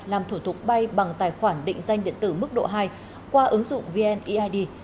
làm thủ tục bay bằng tài khoản định danh điện tử mức độ hai qua ứng dụng vneid